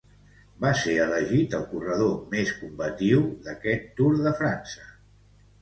Va ser elegit el corredor més combatiu d'este Tour de França.